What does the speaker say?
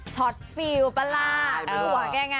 ชอตฟิลประหลาด